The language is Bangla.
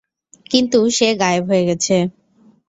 কিন্তু সে গায়েব হয়ে গেছে।